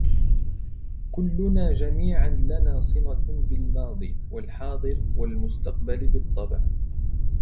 كلنا جميعاً لنا صلة بالماضي والحاضر والمستقبل بالطبع.